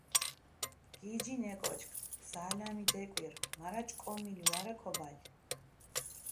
გიჯინ ე კოჩქ, ძალამი დეკვირ, მარა ჭკომილი ვარე ქობალი.